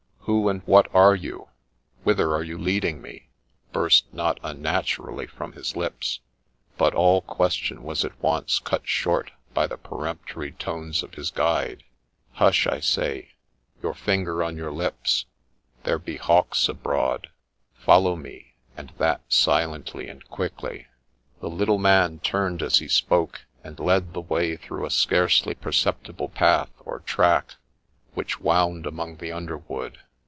' Who and what are you ? Whither are you leading me ?' burst not unnaturally from his lips ; but all question was at once cut short by the peremptory tones of his guide. ' Hush ! I say ; your finger on your lip, there be hawks abroad ; follow me, and that silently and quickly.' The little man turned as he spoke, and led the way through a scarcely perceptible path, or track, which wound among the underwood.